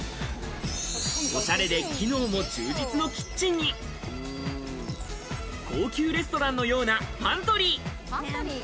おしゃれで機能も充実のキッチンに高級レストランのようなパントリー。